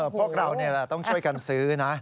พวกเราต้องช่วยกันซื้อนะ